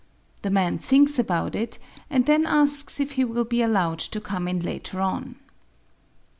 The man thinks about it and then asks if he will be allowed to come in later on.